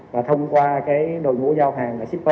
và thông qua cái đội ngũ giao hàng là shipp